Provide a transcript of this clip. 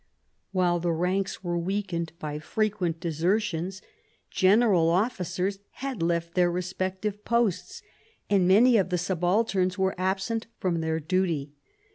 While the ranks were weakened by frequent desertions, general officers had left their re spective posts, and many of the subalterns were absent from their duty.